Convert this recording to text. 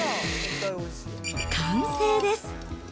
完成です。